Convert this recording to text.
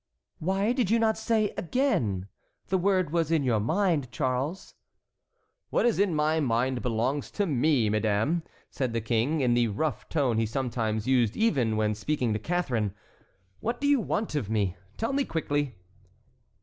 "Why did you not say 'again'? The word was in your mind, Charles." "What is in my mind belongs to me, madame," said the King, in the rough tone he sometimes used even when speaking to Catharine. "What do you want of me? Tell me quickly."